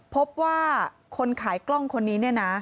พบว่าคนขายกล้องคนนี้